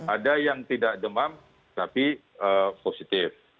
ada yang tidak demam tapi positif